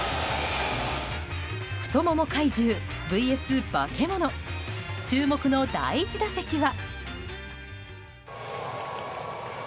太もも怪獣ＶＳ化け物注目の第１打席は。